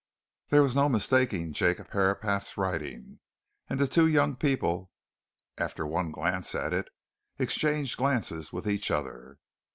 There was no mistaking Jacob Herapath's writing, and the two young people, after one glance at it, exchanged glances with each other.